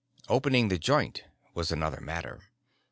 Opening the joint was another matter.